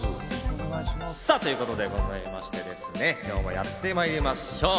ということでございまして、今日もやってまいりましょう！